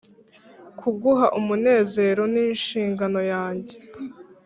Kuguha umunezero ninshingano yanjye